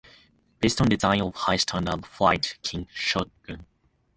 Based on design of High Standard Flite King shotgun.